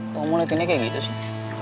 kok kamu liatinnya kayak gitu sih